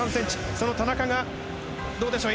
その田中がどうでしょう